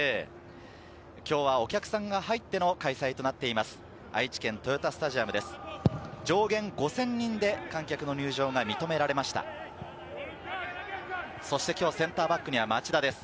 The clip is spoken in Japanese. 今日はお客さんが入っての開催となっています。